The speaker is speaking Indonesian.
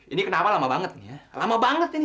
ini kenapa lama banget nih ya lama banget ini